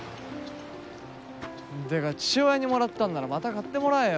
てか父親にもらったんならまた買ってもらえよ。